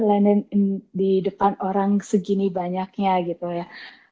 london di depan orang segini banyaknya gitu ya